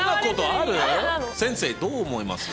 先生どう思います？